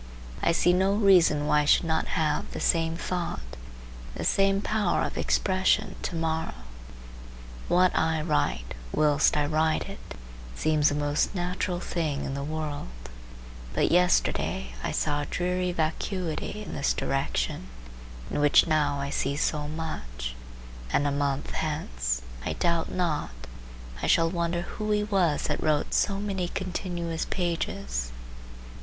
I see no reason why I should not have the same thought, the same power of expression, to morrow. What I write, whilst I write it, seems the most natural thing in the world; but yesterday I saw a dreary vacuity in this direction in which now I see so much; and a month hence, I doubt not, I shall wonder who he was that wrote so many continuous pages.